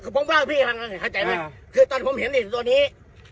พี่ฟังเท่าไหร่คันใจไหมคือตอนผมเห็นตัวนี้